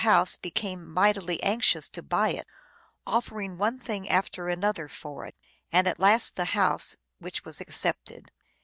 House became mightily anxious to buy it, offering one thing after another for it, and at last the House, which was accepted.